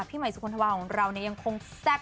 พี่ใหม่สุขรุมธวันของเรายังคงแซ๊บ